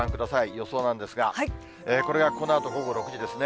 予想なんですが、これがこのあと午後６時ですね。